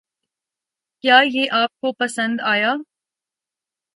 کیا یہ آپ کو پَسند آیا؟